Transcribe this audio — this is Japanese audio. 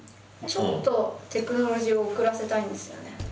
ちょっとテクノロジーを遅らせたいんですよね。